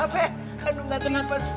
apa kandungan tipes